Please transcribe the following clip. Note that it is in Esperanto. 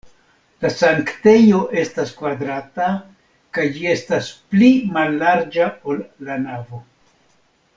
La sanktejo estas kvadrata kaj ĝi estas pli mallarĝa, ol la navo.